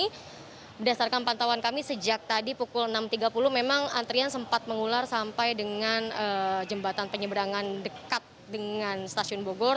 ini berdasarkan pantauan kami sejak tadi pukul enam tiga puluh memang antrian sempat mengular sampai dengan jembatan penyeberangan dekat dengan stasiun bogor